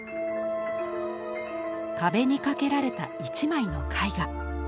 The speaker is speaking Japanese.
壁に掛けられた一枚の絵画。